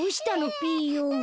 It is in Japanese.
ピーヨン。